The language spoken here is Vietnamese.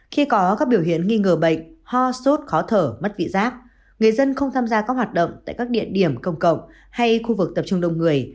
khi có các biểu hiện nghi ngờ bệnh ho sốt khó thở mất vị giác người dân không tham gia các hoạt động tại các địa điểm công cộng hay khu vực tập trung đông người